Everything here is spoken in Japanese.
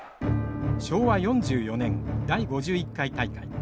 昭和４４年第５１回大会。